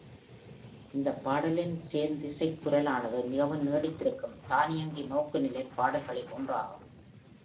இந்தப் பாடலின் சேர்ந்திசைக் குரலானது மிகவும் நீடித்திருக்கும் தானியங்கி நோக்குநிலைப் பாடல்களில் ஒன்றாகும்.